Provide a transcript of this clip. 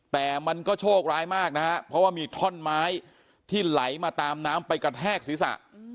แต่มันก็โชคร้ายมากนะฮะเพราะว่ามีท่อนไม้ที่ไหลมาตามน้ำไปกระแทกศีรษะ